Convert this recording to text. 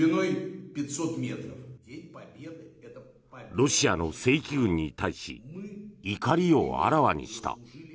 ロシアの正規軍に対し怒りをあらわにした。